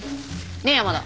ねっ山田。